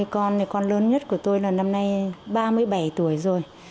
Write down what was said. ba mươi con thì con lớn nhất của tôi là năm nay ba mươi bảy tuổi rồi